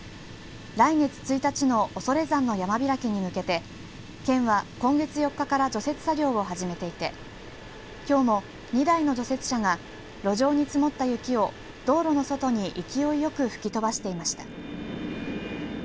来月１日の恐山の山開きに向けて県は今月４日から除雪作業を始めていてきょうも２台の除雪車が路上に積もった雪を道路の外に勢いよく吹き飛ばしていました。